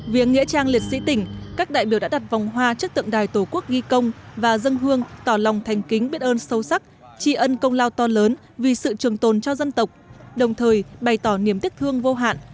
viếng nghĩa trang liệt sĩ tỉnh các đại biểu đã đặt vòng hoa trước tượng đài tổ quốc ghi công và dân hương tỏ lòng thành kính biết ơn sâu sắc tri ân công lao to lớn vì sự trường tồn cho dân tộc đồng thời bày tỏ niềm tiếc thương vô hạn